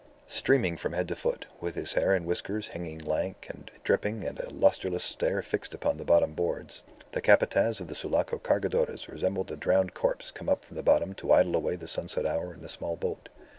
Streaming from head to foot, with his hair and whiskers hanging lank and dripping and a lustreless stare fixed upon the bottom boards, the Capataz of the Sulaco Cargadores resembled a drowned corpse come up from the bottom to idle away the sunset hour in a small boat.